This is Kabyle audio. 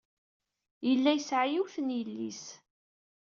Yella yesɛa yiwen n yelli-s.